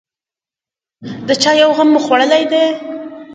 _د چايو غم مو خوړلی دی؟